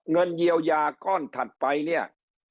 เงินเยียวยาก้อนถัดไปเนี่ย